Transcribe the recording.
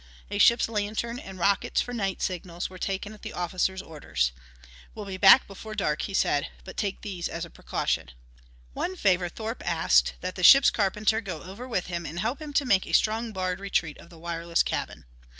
A ship's lantern and rockets for night signals were taken at the officer's orders. "We'll be back before dark," he said, "but take these as a precaution." One favor Thorpe asked that the ship's carpenter go over with him and help him to make a strong barred retreat of the wireless cabin.